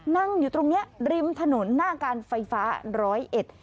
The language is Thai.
นั่งอยู่ตรงเนี้ยริมถนนหน้าการไฟฟ้าร้อยเอ็ด